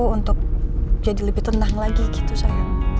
untuk jadi lebih tenang lagi gitu sayang